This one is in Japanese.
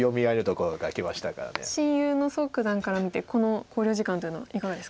親友の蘇九段から見てこの考慮時間というのはいかがですか？